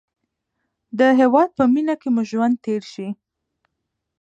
د هېواد په مینه کې مو ژوند تېر شي.